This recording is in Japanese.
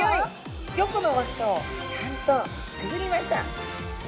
５個の輪っかをちゃんとくぐりました。